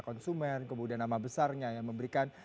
konsumen kemudian nama besarnya yang memberikan